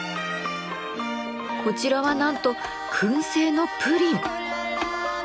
こちらはなんと燻製のプリン。